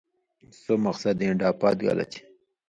سو مقصد ایں ڈا پات گلہ چھی۔